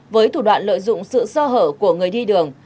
với thủ đoạn lợi dụng sự sơ hở của người đi đường